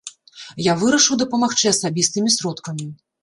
Я вырашыў дапамагчы асабістымі сродкамі.